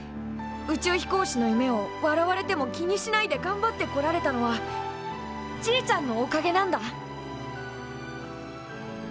宇宙飛行士の夢を笑われても気にしないでがんばってこられたのはじいちゃんのおかげなんだ。